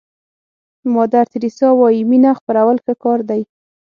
مادر تریسیا وایي مینه خپرول ښه کار دی.